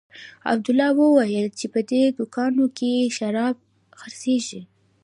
عبدالله وويل چې په دې دوکانو کښې شراب خرڅېږي.